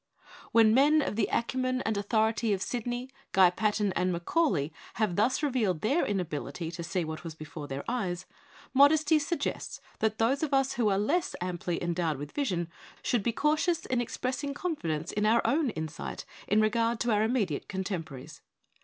" When men of the acumen and authority of Sidney, Guy Patin, and Macaulay have thus re vealed their inability to see what was before their eyes, modesty suggests that those of us who are less amply endowed with vision should be cautious in expressing confidence in our own insight in regard to our immediate contempo raries.